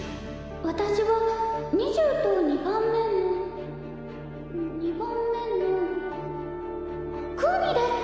私は二十と二番目の二番目のクウミです！